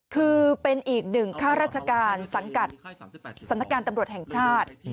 คือเป็นอีกหนึ่งข้าราชการสังกัดสำนักการตำรวจแห่งชาติ